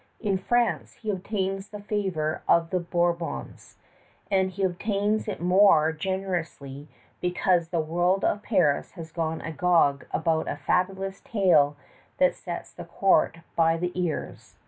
In France he obtains the favor of the Bourbons; and he obtains it more generously because the world of Paris has gone agog about a fabulous tale that sets the court by the ears.